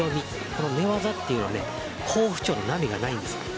この寝技というのは好不調の波がないんです。